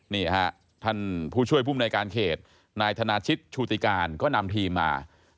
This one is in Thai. นี่ฮะท่านผู้ช่วยภูมิในการเขตนายธนาชิตชชูติการก็นำทีมมา